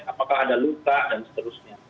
apakah ada luka dan seterusnya